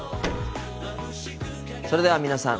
それでは皆さん